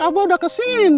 eros sudah pulang